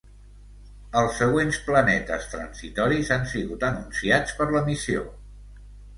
Els següents planetes transitoris han sigut anunciats per la missió.